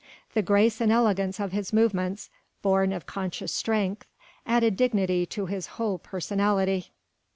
The grace and elegance of his movements, born of conscious strength, added dignity to his whole personality.